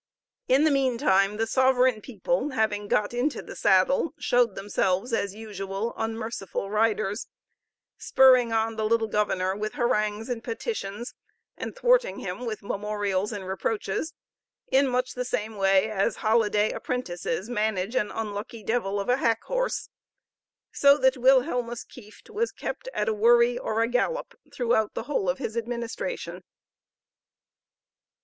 In the meantime the sovereign people, having got into the saddle, showed themselves, as usual, unmerciful riders; spurring on the little governor with harangues and petitions, and thwarting him with memorials and reproaches, in much the same way as holiday apprentices manage an unlucky devil of a hack horse; so that Wilhelmus Kieft was kept at a worry or a gallop throughout the whole of his administration.